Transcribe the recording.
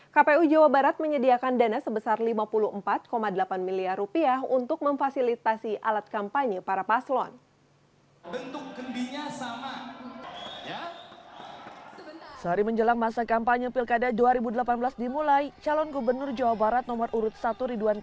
kpu jawa barat menyediakan dana sebesar lima puluh empat delapan miliar rupiah untuk memfasilitasi alat kampanye para paslon